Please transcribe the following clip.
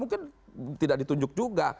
mungkin tidak ditunjuk juga